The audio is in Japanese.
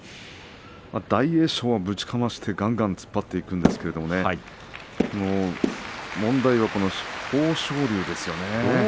大栄翔はぶちかましてがんがん突っ張っていくんですが問題は、この豊昇龍ですよね。